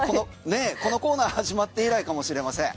このコーナー始まって以来かも知れません。